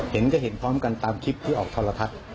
เห็นก็เห็นพร้อมกันตามคลิปที่ออกทรทัศน์